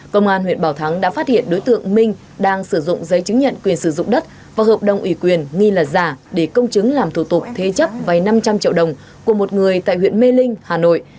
công an huyện bảo thắng đã phát hiện đối tượng minh đang sử dụng giấy chứng nhận quyền sử dụng đất và hợp đồng ủy quyền nghi là giả để công chứng làm thủ tục thế chấp vay năm trăm linh triệu đồng của một người tại huyện mê linh hà nội